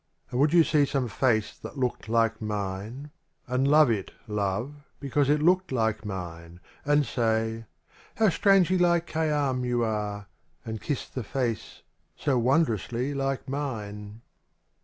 ND would you see some face that looked like mine. And love it, love — "because it looked like mine I And say: *'How strangely like Khayyam you areT' And kiss the face — so wondrously like mine